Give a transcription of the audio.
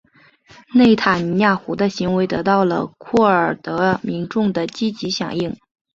内塔尼亚胡的言行得到了库尔德民众的积极响应。